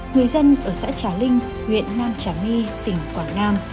người dân ở xã trà linh huyện nam trà my tỉnh quảng nam